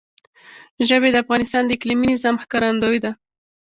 ژبې د افغانستان د اقلیمي نظام ښکارندوی ده.